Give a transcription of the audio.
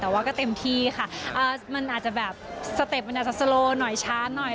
แต่ว่าก็เต็มที่ค่ะมันอาจจะแบบสเต็ปมันอาจจะสโลหน่อยช้าหน่อย